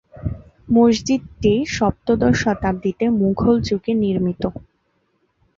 মসজিদটি সপ্তদশ শতাব্দীতে মুঘল যুগে নির্মিত।